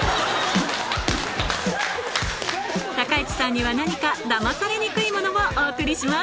高市さんには何かだまされにくいものをお送りします